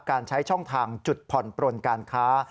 การใช้ช่องทางจุดผ่อนปลนการค้า